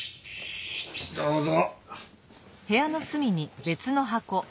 どうぞ。